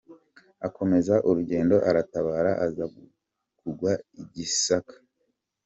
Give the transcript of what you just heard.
Akomeza urugendo aratabara aza kugwa i Gisaka.